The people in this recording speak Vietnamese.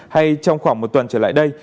hay trong khoảng một tuần trở lại đây